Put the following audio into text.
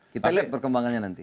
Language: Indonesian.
kita lihat perkembangannya nanti